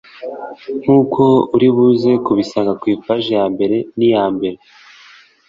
nk uko uri buze kubisanga ku ipaji ya mbere n iya mbere